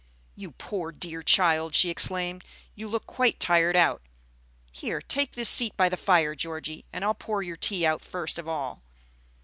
"You poor dear child," she exclaimed, "you look quite tired out! Here, take this seat by the fire, Georgie, and I'll pour your tea out first of all.